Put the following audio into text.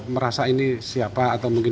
merasa ini siapa atau mungkin